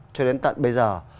cho đến tận bây giờ này